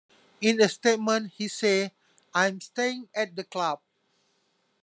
In a statement, he said: I'm staying at the club.